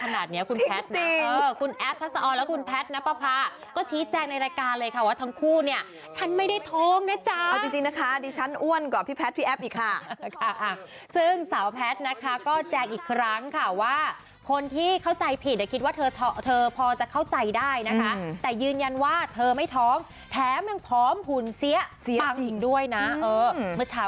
ถ้าสอดแล้วคุณแพทย์นะป๊าป๊าก็ชี้แจกในรายการเลยค่ะว่าทั้งคู่เนี้ยฉันไม่ได้ท้องนะจ๊ะเอาจริงจริงนะคะดิฉันอ้วนกว่าพี่แพทย์พี่แอฟอีกค่ะค่ะอ่ะซึ่งสาวแพทย์นะคะก็แจกอีกครั้งค่ะว่าคนที่เข้าใจผิดคิดว่าเธอเธอพอจะเข้าใจได้นะคะแต่ยืนยันว่าเธอไม่ท้องแถมยังพร้อมหุ่นเสี้ยเสี้ยจร